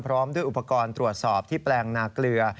พร้อมด้วยอุปกรณ์ตรวจสอบที่แปลงนาเกลือ